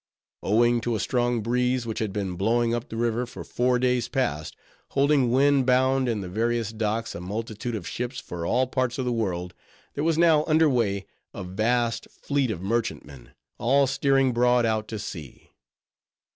Owing to a strong breeze, which had been blowing up the river for four days past, holding wind bound in the various docks a multitude of ships for all parts of the world; there was now under weigh, a vast fleet of merchantmen, all steering broad out to sea.